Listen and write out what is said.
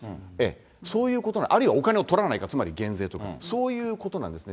そういうことの、あるいはお金を取らない、つまり減税とか、そういうことなんですね。